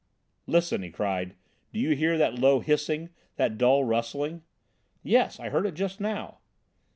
"Listen!" he cried. "Do you hear that low hissing, that dull rustling?" "Yes. I heard it just now."